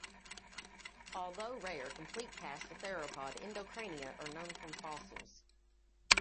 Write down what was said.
Although rare, complete casts of theropod endocrania are known from fossils.